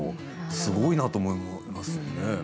すごいなと思いますよね。